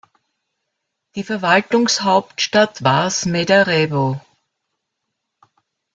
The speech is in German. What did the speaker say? Die Verwaltungshauptstadt war Smederevo.